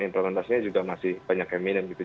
implementasinya juga masih banyak yang minim gitu